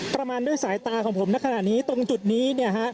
ประมาณด้วยสายตาของผมในขณะนี้ตรงจุดนี้เนี่ยฮะ